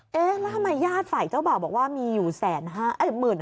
เอ๊ะแล้วทำไมญาติฝ่ายเจ้าบ่าวบอกว่ามีอยู่๑๕๐๐